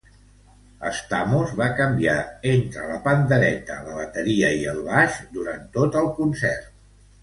Stamos va canviar entre la pandereta, la bateria i el baix durant tot el concert.